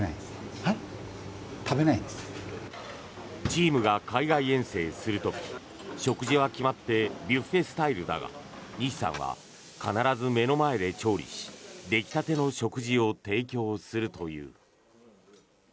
チームが海外遠征する時食事は決まってビュッフェスタイルだが西さんは必ず目の前で調理し出来たての食事を提供するという。